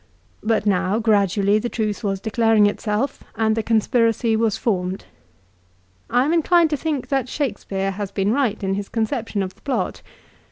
But now, gradually the truth was declaring itself, and the conspiracy was formed. I am inclined to think that Shakespeare has been right in his conception of the plot.